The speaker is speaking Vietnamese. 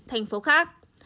thành phố khác